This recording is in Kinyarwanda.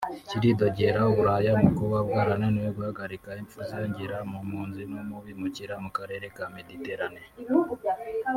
kiridogera Uburaya mu kuba bwarananiwe guhagarika impfu ziyongera mu mpunzi no mu bimukira mu karere ka Méditerranée